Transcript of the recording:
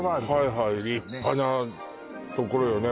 はいはい立派なところよね